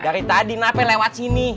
dari tadi nape lewat sini